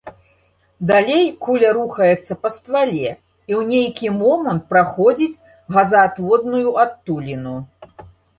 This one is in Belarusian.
Далей куля рухаецца па ствале і, у нейкі момант, праходзіць газаадводны адтуліну.